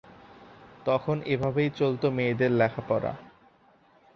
তখন এভাবেই চলত মেয়েদের লেখাপড়া।